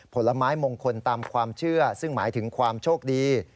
ผลไม้มงคลตามความเชื่อซึ่งหมายถึงความโชคดี